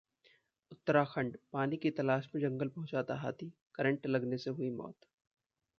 उत्तराखंड: पानी की तलाश में जंगल पहुंचा था हाथी, करंट लगने से हुई मौत